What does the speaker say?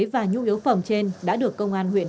và nhu yếu phẩm trên đã được công an huyện